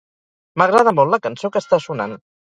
M'agrada molt la cançó que està sonant.